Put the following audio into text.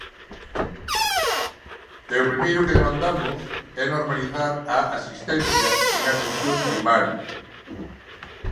E o primeiro que demandamos é normalizar a asistencia en atención primaria.